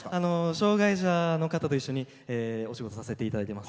障害者の方と一緒にお仕事させていただいてます。